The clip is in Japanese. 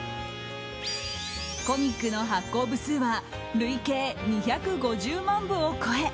コミックの発行部数は累計２５０万部を超え